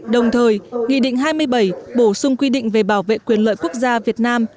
đồng thời nghị định hai mươi bảy bổ sung quy định về bảo vệ quyền lợi quốc gia việt nam